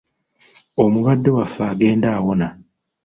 Omulwadde waffe agenda awona.